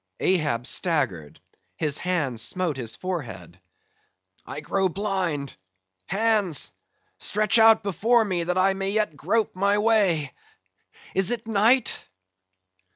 Ahab staggered; his hand smote his forehead. "I grow blind; hands! stretch out before me that I may yet grope my way. Is't night?"